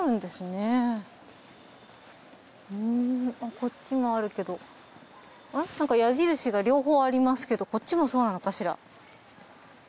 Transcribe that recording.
こっちもあるけど矢印が両方ありますけどこっちもそうなのかしら？